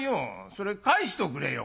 それ返しておくれよ」。